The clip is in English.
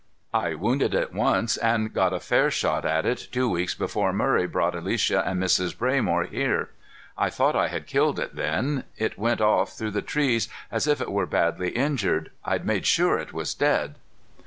I wounded it once, and got a fair shot at it two weeks before Murray brought Alicia and Mrs. Braymore here. I thought I had killed it then. It went off through the trees as if it were badly injured. I'd made sure it was dead."